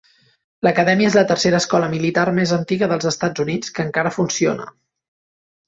L'acadèmia és la tercera escola militar més antiga dels Estats Units que encara funciona.